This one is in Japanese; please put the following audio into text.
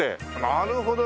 なるほどね！